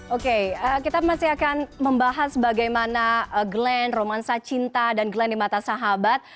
oke kita masih akan membahas bagaimana glenn romansa cinta dan glenn di mata sahabat